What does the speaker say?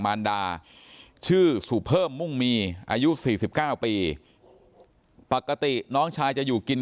มารดาชื่อสุเพิ่มมุ่งมีอายุ๔๙ปีปกติน้องชายจะอยู่กิน